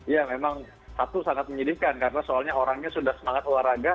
ya memang satu sangat menyedihkan karena soalnya orangnya sudah semangat olahraga